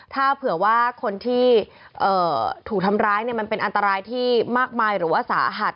ถ้าเผื่อว่าคนที่ถูกทำร้ายมันเป็นอันตรายที่มากมายหรือว่าสาหัส